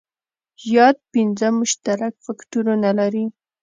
یاد پنځه مشترک فکټورونه لري.